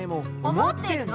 「思ってるの？」